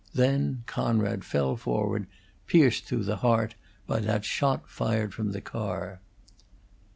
Then Conrad fell forward, pierced through the heart by that shot fired from the car.